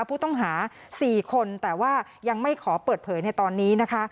ผู้ต้องหา๔คนแต่ว่ายังไม่ขอเปิดเผยในตอนนี้นะคะ